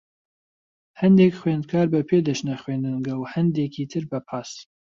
هەندێک خوێندکار بە پێ دەچنە خوێندنگە، و هەندێکی تر بە پاس.